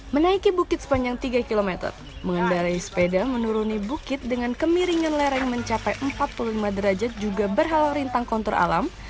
menaiki bukit sepanjang tiga km mengendarai sepeda menuruni bukit dengan kemiringan lereng mencapai empat puluh lima derajat juga berhalau rintang kontur alam